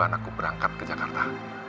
anakku berangkat ke jakarta